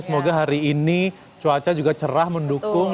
semoga hari ini cuaca juga cerah mendukung